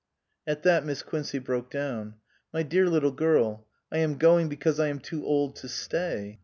At that Miss Quincey broke down. " My dear little girl I am going because I am too old to stay."